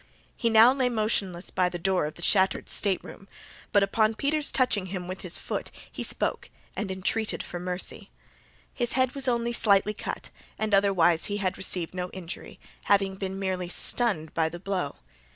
He now lay motionless by the door of the shattered stateroom; but, upon Peters touching him with his foot, he spoke, and entreated for mercy. His head was only slightly cut, and otherwise he had received no injury, having been merely stunned by the blow.